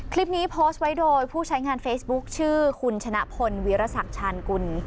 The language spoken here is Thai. คลิปนี้โพสต์ไว้โดยผู้ใช้งานเฟซบุ๊คชื่อคุณชนะพลวิรสักชาญกุล